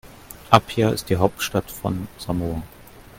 Apia ist die Hauptstadt von Samoa.